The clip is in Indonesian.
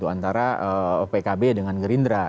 antara pkb dengan gerindra